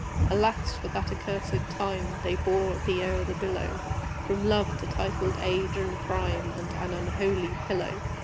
Alas! for that accursed time They bore thee o'er the billow, From love to titled age and crime, And an unholy pillow!